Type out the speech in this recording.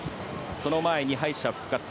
その前に敗者復活戦。